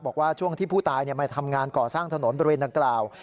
บอกว่าช่วงที่ผู้ตายมาทำงานก่อสร้างถนนบริเวณดังกล่าว